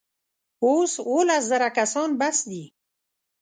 اوس اوولس زره کسان بس دي.